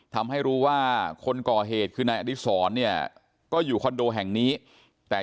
ทำให้รู้ว่าคนก่อเหตุคือนายอดิษรเนี่ยก็อยู่คอนโดแห่งนี้แต่